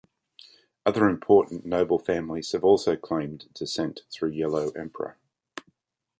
Other important noble families have also claimed descent through Yellow Emperor.